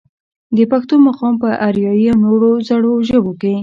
د پښتو مقام پۀ اريائي او نورو زړو ژبو کښې